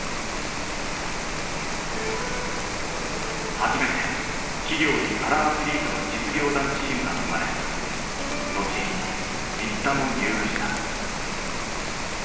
初めて企業にパラアスリートの実業団チームが生まれ後に新田も入部した。